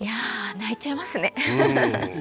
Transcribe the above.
泣いちゃいますね。